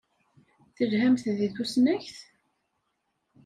Telhamt deg tusnakt?